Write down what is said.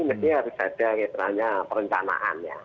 mesti harus ada misalnya perencanaan ya